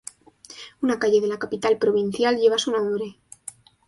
Una calle de la capital provincial lleva su nombre.